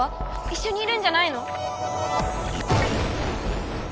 いっしょにいるんじゃないの？